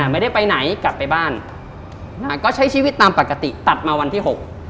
ไม่ได้ไปไหนกลับไปบ้านอ่าก็ใช้ชีวิตตามปกติตัดมาวันที่หก